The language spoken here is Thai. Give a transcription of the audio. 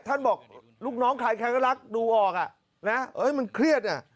ท่านบอกลูกน้องขายแขนกระลักษณ์ดูออกแล้วมันเครียด